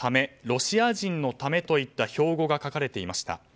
「ロシア人のため」といった標語が書かれていました。